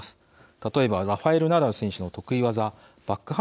例えばラファエル・ナダル選手の得意技